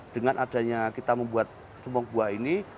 dengan adanya kita membuat tumpong buah ini